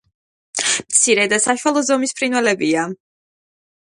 მცირე და საშუალო ზომის ფრინველებია.